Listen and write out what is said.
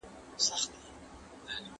د نورو په آزار سره مال مه ګټئ.